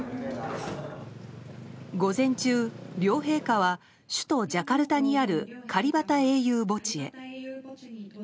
午前中、両陛下は首都ジャカルタにあるカリバタ英雄墓地へ。